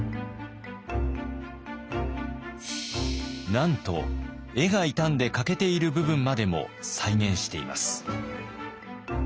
なんと絵が傷んで欠けている部分までも再現しています。